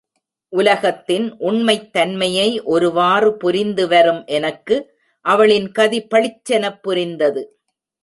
உலகத்தின் உண்மைத் தன்மையை ஒருவாறு புரிந்துவரும் எனக்கு அவளின் கதி பளிச்செனப் புரிந்தது.